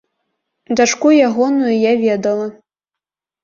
Дачку ягоную я ведала.